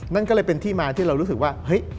นั่นก็เลยเป็นที่มาที่เรารู้สึกว่าเฮ้ย